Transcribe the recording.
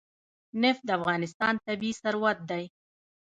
نفت د افغانستان طبعي ثروت دی.